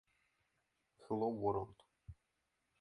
Empire Company also owns the Sobeys supermarket chain.